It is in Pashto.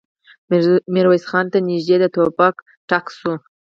ميرويس خان ته نږدې د ټوپک ډز شو.